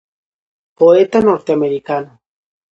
Poeta norteamericano.